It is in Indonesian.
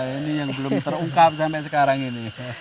ini yang belum terungkap sampai sekarang ini